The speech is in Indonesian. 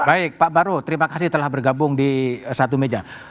baik pak baru terima kasih telah bergabung di satu meja